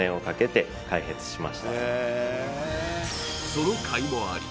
その甲斐もあり